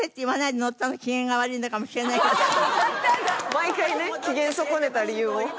毎回ね機嫌損ねた理由を。